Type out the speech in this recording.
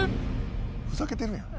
ふざけてるやん。